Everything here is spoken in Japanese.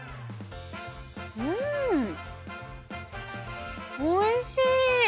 うんおいしい！